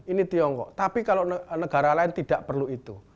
ini tiongkok tapi kalau negara lain tidak perlu itu